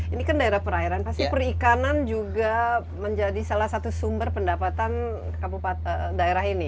ini kan daerah perairan pasti perikanan juga menjadi salah satu sumber pendapatan daerah ini